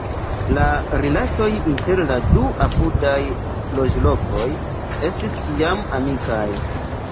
La rilatoj inter la du apudaj loĝlokoj estis ĉiam amikaj.